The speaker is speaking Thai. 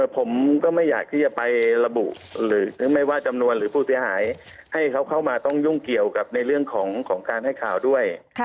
ผมก็ไม่อยากที่จะไประบุหรือไม่ว่าจำนวนหรือผู้เสียหายให้เขาเข้ามาต้องยุ่งเกี่ยวกับในเรื่องของการให้ข่าวด้วย